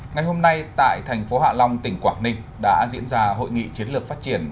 ngày hôm nay tại thành phố hạ long tỉnh quảng ninh đã diễn ra hội nghị chiến lược phát triển